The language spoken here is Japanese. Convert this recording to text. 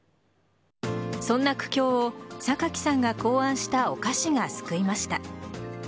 そんな苦境を榊さんが考案したお菓子が救いました。